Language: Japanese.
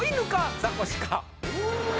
ザコシか？